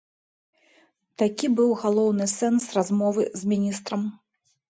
Такі быў галоўны сэнс размовы з міністрам.